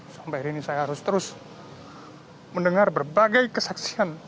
sampai hari ini saya harus terus mendengar berbagai kesaksian